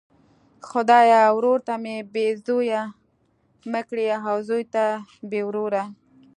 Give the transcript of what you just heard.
خدایه ورور ته مي بې زویه مه کړې او زوی ته بې وروره!